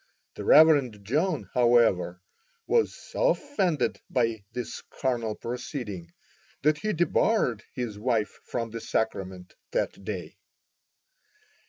The Rev. John, however, was so offended by this carnal proceeding, that he debarred his wife from the sacrament that day.